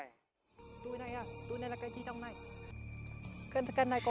cái này có phạm phạm phạm